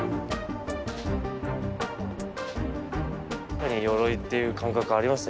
やっぱり鎧っていう感覚ありますね